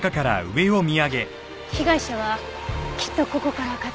被害者はきっとここから滑落した。